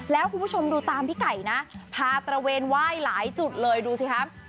แล้วคุณผู้ชมดูตามพี่ไก่นะพาตระเวนไหว้หลายจุดเลยดูสิครับ